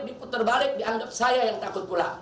diputar balik dianggap saya yang takut pulang